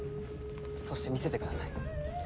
そして見せてください。